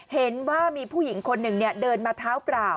เห็นว่ามีผู้หญิงคนหนึ่งเดินมาเท้าเปล่า